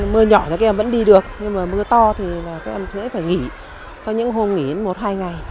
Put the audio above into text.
mưa nhỏ thì các em vẫn đi được nhưng mà mưa to thì các em sẽ phải nghỉ có những hôm nghỉ một hai ngày